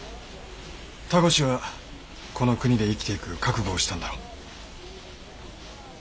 タゴシはこの国で生きていく覚悟をしたんだろ？